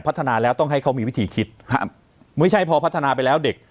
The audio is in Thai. พัฒนาแล้วต้องให้เขามีวิธีคิดครับไม่ใช่พอพัฒนาไปแล้วเด็ก